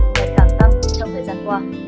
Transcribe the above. để càng tăng trong thời gian qua